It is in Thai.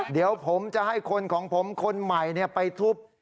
เดี๋ยวผมจะให้คนของผมคนใหม่ไปทุบ